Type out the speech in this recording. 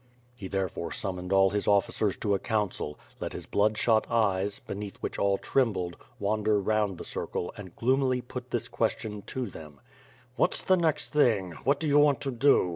He therefore summoned all his officers to a coimcil; let his blood shot eyes, beneath which all trembled, wander round the circle, and gloomily put this question to them: "What's the next thing ? What do you want to do?"